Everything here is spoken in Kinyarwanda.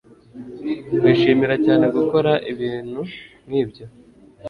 Wishimira cyane gukora ibintu nkibyo